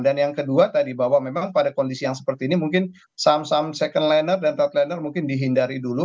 dan yang kedua tadi bahwa memang pada kondisi yang seperti ini mungkin saham saham second liner dan third liner mungkin dihindari dulu